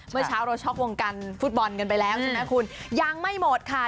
เมื่อเช้าเราช็อกวงการฟุตบอลกันไปแล้วใช่ไหมคุณยังไม่หมดค่ะ